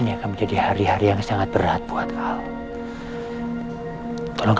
ini akan menjadi hari hari yang sangat berat buat kau